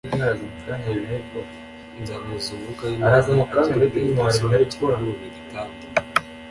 nzamwuzuza umwuka w imana agire ubwenge gusobanukirwa n ubumenyi kandi